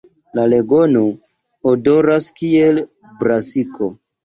La legomo odoras kiel brasiko.